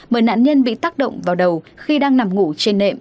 mà nạn nhân bị tắc động vào đầu khi đang nằm ngủ trên nệm